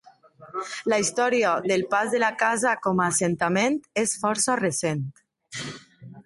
La història del Pas de la Casa com a assentament és força recent.